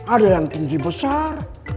ada yang tinggi besar